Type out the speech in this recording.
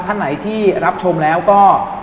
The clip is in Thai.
ท่านไหนที่รับชมแล้วก็